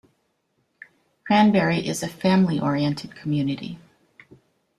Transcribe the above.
Cranberry is a family-oriented community.